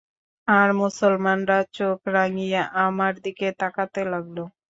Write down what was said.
আর মুসলমানরা চোখ রাঙিয়ে আমার দিকে তাকাতে লাগল।